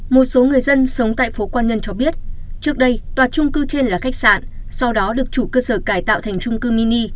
một số người dân sống tại phố quan nhân cho biết trước đây tòa trung cư trên là khách sạn sau đó được chủ cơ sở cải tạo thành trung cư mini